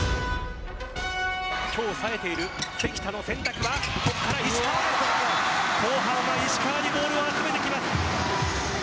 さえている関田の選択は後半は石川にボールを集めてきます。